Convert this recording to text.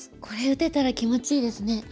これ打てたら気持ちいいですね。